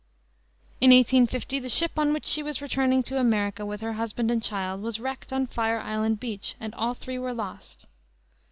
In 1850 the ship on which she was returning to America, with her husband and child, was wrecked on Fire Island beach and all three were lost.